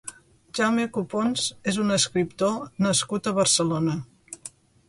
Jaume Copons és un escriptor nascut a Barcelona.